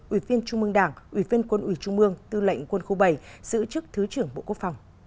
ủy viên trung mương đảng ủy viên quân ủy trung mương tư lệnh quân khu bảy giữ chức thứ trưởng bộ quốc phòng